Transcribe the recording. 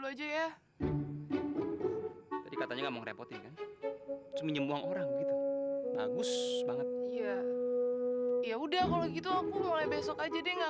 aja ya katanya ngerepotin orang bagus banget ya udah kalau gitu aku mulai besok aja deh nggak